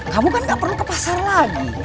kamu kan gak perlu ke pasar lagi